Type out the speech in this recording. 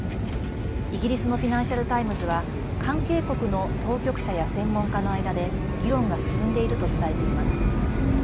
イギリスのフィナンシャル・タイムズは関係国の当局者や専門家の間で議論が進んでいると伝えています。